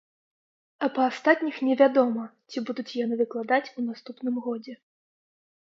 А па астатніх не вядома, ці будуць яны выкладаць у наступным годзе.